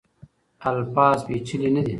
الفاظ پیچلي نه دي.